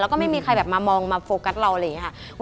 แล้วก็ไม่มีใครแบบมามองมาโฟกัสเราอะไรอย่างนี้ค่ะ